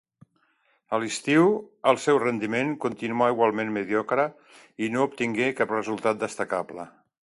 A l'estiu, el seu rendiment continuà igualment mediocre i no obtingué cap resultat destacable.